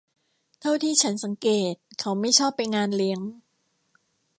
เท่าที่ฉันสังเกตเขาไม่ชอบไปงานเลี้ยง